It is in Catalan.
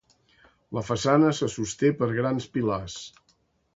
La façana se sosté per grans pilars.